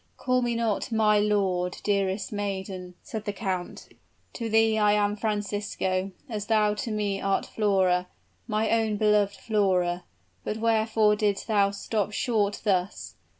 "Call me not 'my lord,' dearest maiden," said the count; "to thee I am Francisco, as thou to me art Flora my own beloved Flora! But wherefore didst thou stop short thus?